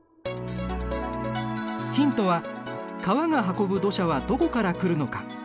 ヒントは川が運ぶ土砂はどこから来るのか。